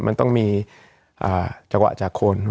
มันต้องมีจังหวะจากคน